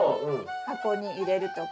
箱に入れるとか